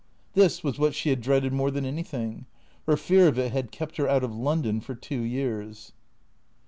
This was what she had dreaded more than anything. Her fear of it had kept her out of London for two years.